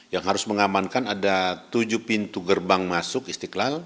yang harus mengamankan ada tujuh pintu gerbang masuk istiqlal